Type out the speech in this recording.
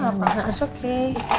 gak apa apa asok deh